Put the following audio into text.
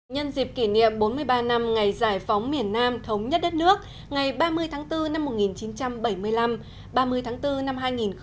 nhân dịp kỷ niệm bốn mươi ba năm ngày giải phóng miền nam thống nhất đất nước ngày ba mươi tháng bốn năm một nghìn chín trăm bảy mươi năm ba mươi tháng bốn năm hai nghìn hai mươi